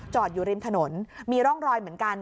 อยู่ริมถนนมีร่องรอยเหมือนกัน